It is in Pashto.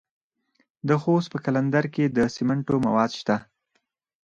د خوست په قلندر کې د سمنټو مواد شته.